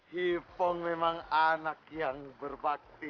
he pong memang anak yang berbakti